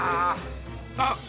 あっ！